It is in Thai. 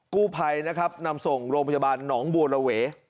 กู้ภัยนะครับนำส่งโรงพยาบาลหนองบัวระเว